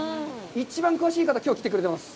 一番詳しい方、きょう来てくれてます。